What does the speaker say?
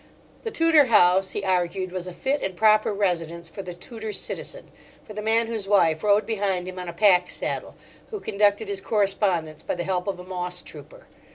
The Tudor house, he argued, was a fit and proper residence for the Tudor citizen—for the man whose wife rode behind him on a pack saddle, who conducted his correspondence by the help of a moss trooper.